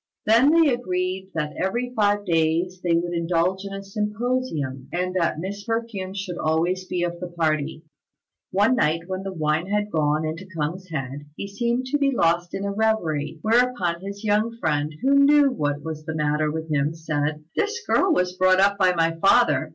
Then they agreed that every five days they would indulge in a symposium, and that Miss Perfume should always be of the party. One night when the wine had gone into K'ung's head, he seemed to be lost in a reverie; whereupon his young friend, who knew what was the matter with him, said, "This girl was brought up by my father.